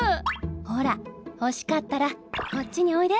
ほら欲しかったらこっちにおいで。